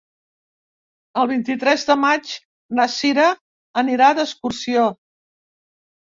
El vint-i-tres de maig na Sira anirà d'excursió.